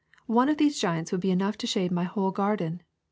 One of these giants would be enough to shade my whole garden.